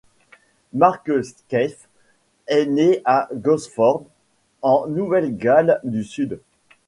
Mark Skaife est né à Gosford, en Nouvelle-Galles du Sud.